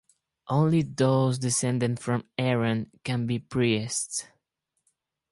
Only those descended from Aaron can be priests.